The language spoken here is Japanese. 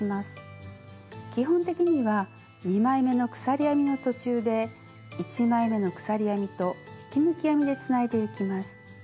基本的には２枚めの鎖編みの途中で１枚めの鎖編みと引き抜き編みでつないでいきます。